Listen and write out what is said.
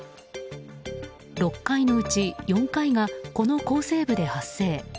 ６回のうち４回がこの厚生部で発生。